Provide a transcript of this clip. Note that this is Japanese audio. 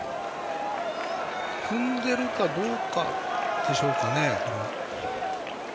踏んでいるかどうかでしょうか。